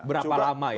berapa lama ya